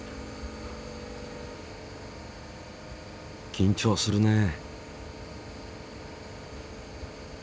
緊張するねえ。